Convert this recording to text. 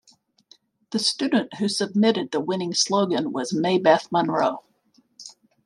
The student who submitted the winning slogan was Maybeth Monroe.